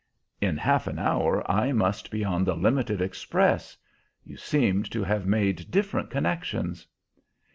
"In half an hour I must be on the limited express. You seem to have made different connections."